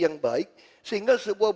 yang baik sehingga sebuah